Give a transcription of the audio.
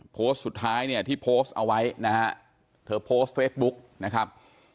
โพสต์สุดท้ายเนี่ยที่โพสต์เอาไว้นะฮะเธอโพสต์เฟซบุ๊กนะครับ